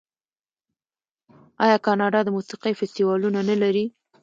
آیا کاناډا د موسیقۍ فستیوالونه نلري؟